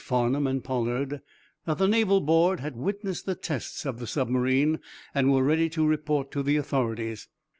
Farnum and Pollard that the naval board had witnessed the tests of the submarine and were ready to report to the authorities.